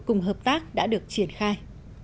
cùng hợp tác đã được triển khai